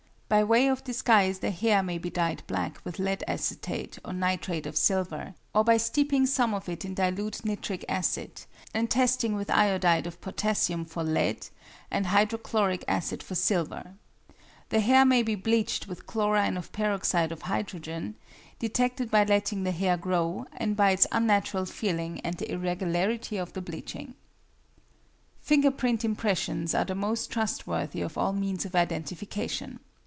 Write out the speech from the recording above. By way of disguise the hair may be dyed black with lead acetate or nitrate of silver; detected by allowing the hair to grow, or by steeping some of it in dilute nitric acid, and testing with iodide of potassium for lead, and hydrochloric acid for silver. The hair may be bleached with chlorine or peroxide of hydrogen, detected by letting the hair grow and by its unnatural feeling and the irregularity of the bleaching. Finger print impressions are the most trustworthy of all means of identification.